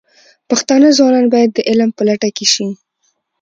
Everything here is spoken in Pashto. پښتانه ځوانان باید د علم په لټه کې شي.